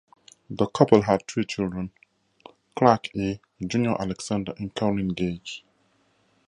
The couple had three children; Clark E., Junior Alexander, and Caroline Gage.